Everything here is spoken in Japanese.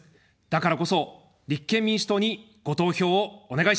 だからこそ立憲民主党にご投票をお願いします。